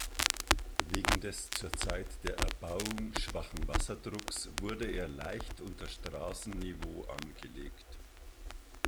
Wegen des zur Zeit der Erbauung schwachen Wasserdrucks wurde er leicht unter Straßenniveau angelegt.